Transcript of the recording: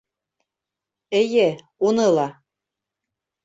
Эйе, уны ла.